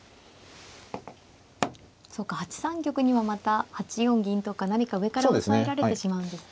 そうか８三玉にはまた８四銀とか何か上から押さえられてしまうんですか。